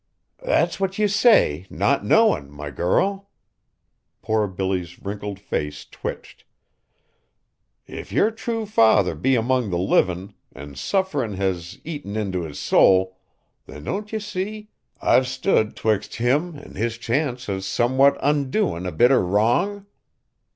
"That's what ye say, not knowin', my girl." Poor Billy's wrinkled face twitched. "If yer true father be among the livin', an' sufferin' has eaten int' his soul, then don't ye see, I've stood 'twixt him an' his chance of somewhat undoin' a bitter wrong?